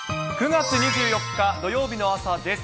９月２４日土曜日の朝です。